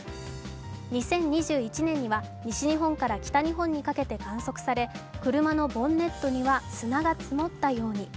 ２０２１年には西日本から北日本に架けて観測され車のボンネットには砂が積もったように。